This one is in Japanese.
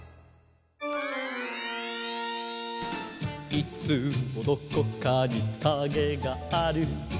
「いつもどこかにカゲがある」